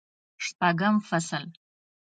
شپږم فصل